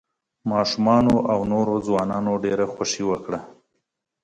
ماشومانو او نوو ځوانانو ډېره خوښي وکړه.